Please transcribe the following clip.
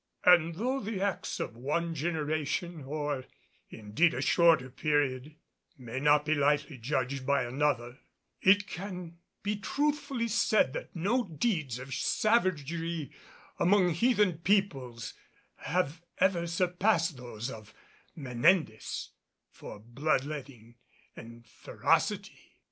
And though the acts of one generation, or indeed a shorter period, may not be lightly judged by another, it can be truthfully said that no deeds of savagery among heathen peoples have ever surpassed those of Menendez for blood letting and ferocity.